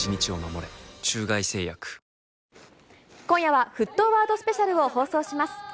今夜は沸騰ワードスペシャルを放送します。